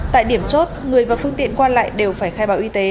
tại điểm chốt người và phương tiện qua lại đều phải khai báo y tế